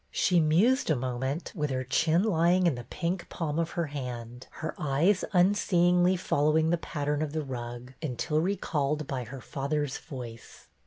She mused a moment, with her chin lying in the pink palm of her hand, her eyes unseeingly following the pattern of the rug, until recalled by her father's voice.